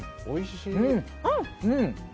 おいしい！